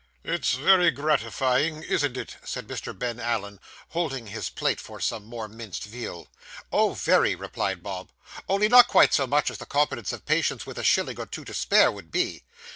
'It's very gratifying, isn't it?' said Mr. Ben Allen, holding his plate for some more minced veal. 'Oh, very,' replied Bob; 'only not quite so much so as the confidence of patients with a shilling or two to spare would be.